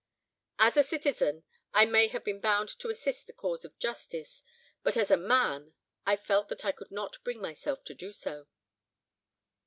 "As a citizen, I may have been bound to assist the cause of justice. But as a man, I felt that I could not bring myself to do so.